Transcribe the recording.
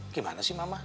gimana sih mama